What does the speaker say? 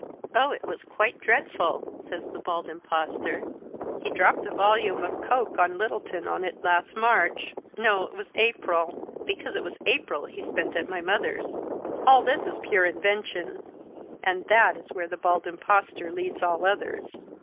"Oh, it was quite dreadful!" says the Bald Impostor. "He dropped a volume of Coke on Littleton on it last March no, it was April, because it was April he spent at my mother's." All this is pure invention, and that is where the Bald Impostor leads all others.